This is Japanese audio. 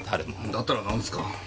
だったら何ですか？